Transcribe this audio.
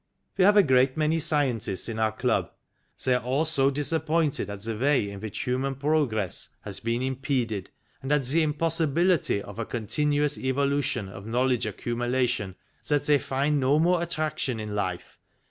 We have a great many scientists in our club. They are all so disap pointed at the way in which human progress has been impeded, and at the impossibility of a continuous evolution of knowledge accumulation, that they find no more attraction in life.